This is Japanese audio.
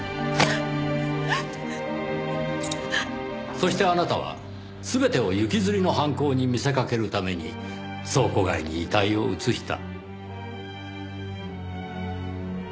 そしてあなたは全てを行きずりの犯行に見せかけるために倉庫街に遺体を移した。